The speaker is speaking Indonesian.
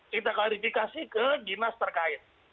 kita klarifikasi ke dinas terkait